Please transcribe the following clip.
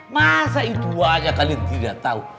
masa itu aja kalian tidak tahu